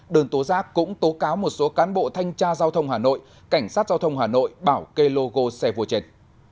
đơn tố giác cũng tố cáo một số cán bộ thanh tra giao thông hà nội cảnh sát giao thông hà nội bảo kê logo xe vua trên